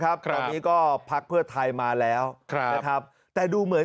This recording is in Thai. คราวนี้ก็พักเพื่อไทยมาแล้วนะครับแต่ดูเหมือน